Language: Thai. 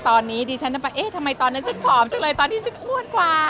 ตอนนี้ดิฉันจะไปเอ๊ะทำไมตอนนั้นฉันผอมจังเลยตอนที่ฉันอ้วนกว่า